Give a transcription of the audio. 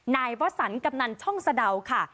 นายวสันกำนันช่องสะดาวค่ะ